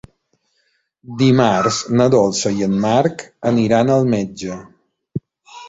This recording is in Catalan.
Dimarts na Dolça i en Marc aniran al metge.